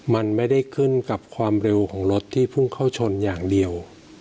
มันไม่ได้ขึ้นกับความเร็วของรถที่พุ่งเข้าชนอย่างเดียว